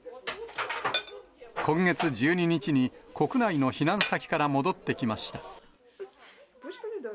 今月１２日に国内の避難先から戻ってきました。